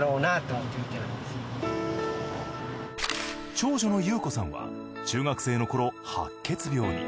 長女の祐子さんは中学生の頃白血病に。